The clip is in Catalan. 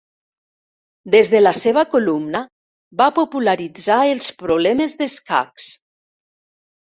Des de la seva columna, va popularitzar els problemes d'escacs.